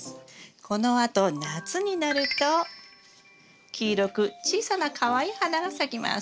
このあと夏になると黄色く小さなかわいい花が咲きます。